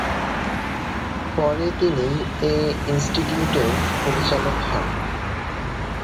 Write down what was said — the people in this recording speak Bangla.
পরে তিনি এ ইনস্টিটিউটের পরিচালক হন।